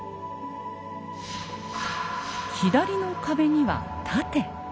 左の壁には盾。